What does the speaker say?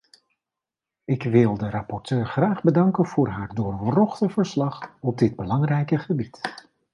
Ik wil de rapporteur graag bedanken voor haar doorwrochte verslag op dit belangrijke gebied.